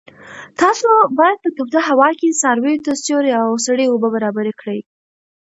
تاسو باید په توده هوا کې څارویو ته سیوری او سړې اوبه برابرې کړئ.